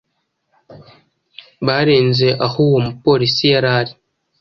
Barenze aho uwo mu polisi yarari